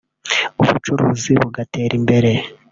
ubucuruzi bugatera imbere